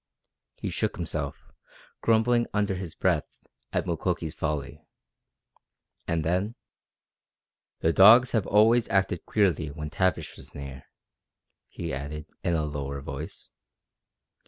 He shook himself, grumbling under his breath at Mukoki's folly. And then: "The dogs have always acted queerly when Tavish was near," he added in a lower voice.